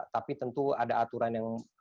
tapi tentu ada aturan yang